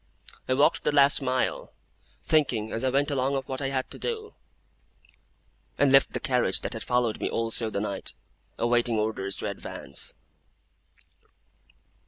I walked the last mile, thinking as I went along of what I had to do; and left the carriage that had followed me all through the night, awaiting orders to advance.